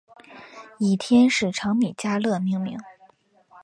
以天使长米迦勒命名。